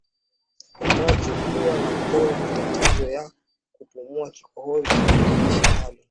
kwa macho pua na koo matatizo ya kupumua kikohozi na kuzidisha hali